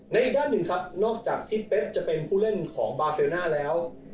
อีกด้านหนึ่งครับนอกจากพี่เป๊กจะเป็นผู้เล่นของบาเซลน่าแล้ว